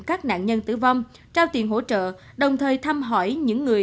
các nạn nhân tử vong trao tiền hỗ trợ đồng thời thăm hỏi những người